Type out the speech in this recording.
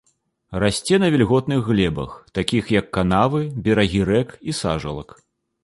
Расце на вільготных глебах, такіх як канавы, берагі рэк і сажалак.